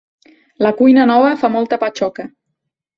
La cuina nova fa molta patxoca.